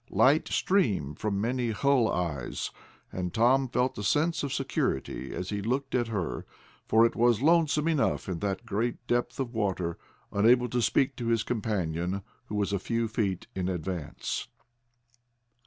Light streamed from many bull's eyes, and Tom felt a sense of security as he looked at her, for it was lonesome enough in that great depth of water, unable to speak to his companion, who was a few feet in advance.